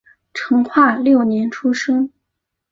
成化六年出生。